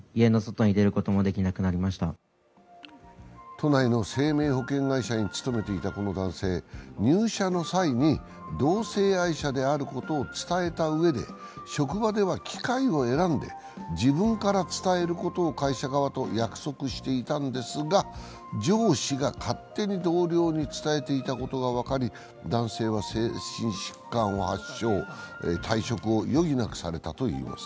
都内の生命保険会社に勤めていたこの男性、入社の際に同性愛者であることを伝えたうえで職場では機会を選んで自分から伝えることを約束していたんですが上司が勝手に同僚に伝えていたことが分かり男性は精神疾患を発症、退職を余儀なくされたといいます。